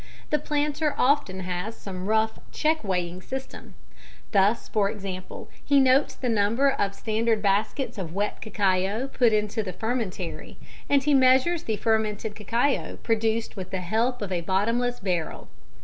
The planter often has some rough check weighing system. Thus, for example, he notes the number of standard baskets of wet cacao put into the fermentary, and he measures the fermented cacao produced with the help of a bottomless barrel.